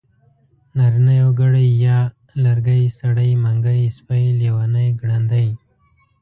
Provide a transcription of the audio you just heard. نارينه يوګړی ی لرګی سړی منګی سپی لېوانی ګړندی